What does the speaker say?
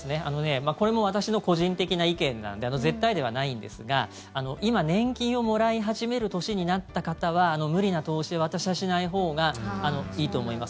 これも私の個人的な意見なんで絶対ではないんですが今、年金をもらい始める年になった方は無理な投資は、私はしないほうがいいと思います。